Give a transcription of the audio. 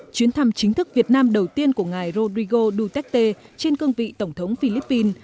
chuyến thăm chính thức việt nam đầu tiên của ngài rodrigo duterte trên cương vị tổng thống philippines